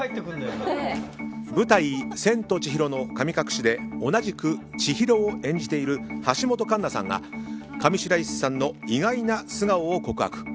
舞台「千と千尋の神隠し」で同じく千尋を演じている橋本環奈さんが上白石さんの意外な素顔を告白。